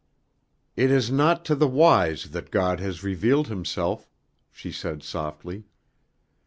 "It is not to the wise that God has revealed himself," she said softly.